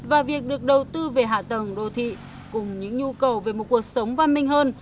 và việc được đầu tư về hạ tầng đô thị cùng những nhu cầu về một cuộc sống văn minh hơn